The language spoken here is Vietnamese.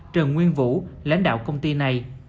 trần nguyên vũ lãnh đạo công ty này